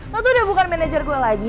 lo tuh udah bukan manajer gue lagi